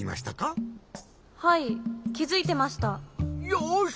よし！